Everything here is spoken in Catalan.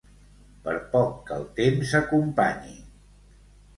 Per poc que el temps acompanyi...